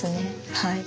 はい。